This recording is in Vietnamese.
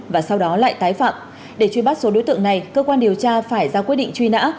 và sau đó lại tái phạm để truy bắt số đối tượng này cơ quan điều tra phải ra quyết định truy nã